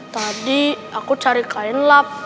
tadi aku cari kain lap